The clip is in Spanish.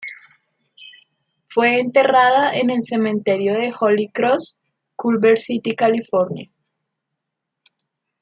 Fue enterrada en el Cementerio de Holy Cross, Culver City, California.